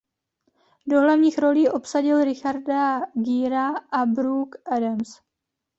Do hlavních rolí obsadil Richarda Gera a Brooke Adams.